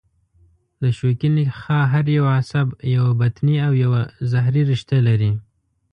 د شوکي نخاع هر یو عصب یوه بطني او یوه ظهري رشته لري.